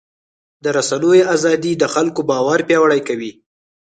د رسنیو ازادي د خلکو باور پیاوړی کوي.